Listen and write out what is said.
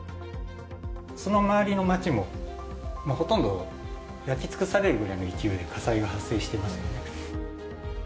その周りの街も、ほとんど焼き尽くされるぐらいの勢いで火災が発生していますよね。